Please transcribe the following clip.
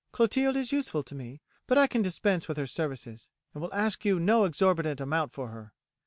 "Clotilde is useful to me, but I can dispense with her services, and will ask you no exorbitant amount for her.